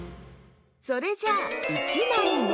それじゃあ１まいめ。